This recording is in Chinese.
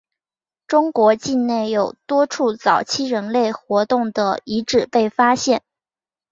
中国境内有多处早期人类活动的遗址被发现。